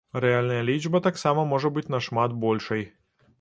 Рэальная лічба таксама можа быць нашмат большай.